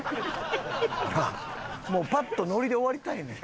もうパッとノリで終わりたいねん。